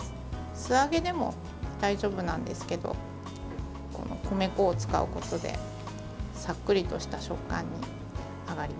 素揚げでも大丈夫なんですけど米粉を使うことでさっくりとした食感に揚がります。